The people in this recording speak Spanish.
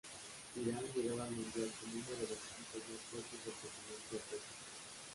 Irán llegaba al Mundial como uno de los equipos más fuertes del continente asiático.